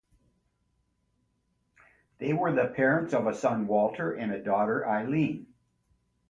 They were the parents of a son, Walter, and a daughter, Aileen.